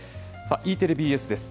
ＥテレＢＳです。